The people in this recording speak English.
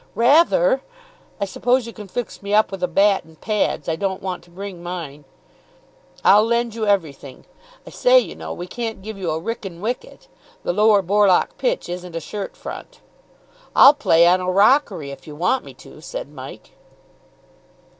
"Rather. I suppose you can fix me up with a bat and pads? I don't want to bring mine." "I'll lend you everything. I say, you know, we can't give you a Wrykyn wicket. The Lower Borlock pitch isn't a shirt front." "I'll play on a rockery, if you want me to," said Mike.